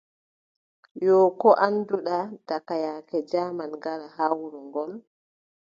Yoo, koo annduɗa daka yaake jaaman ngara haa wuro ngol ?